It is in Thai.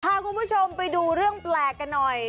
พาคุณผู้ชมไปดูเรื่องแปลกกันหน่อย